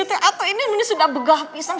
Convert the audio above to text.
tia ato ini sudah begah pisang